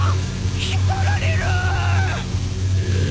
引っ張られるっ！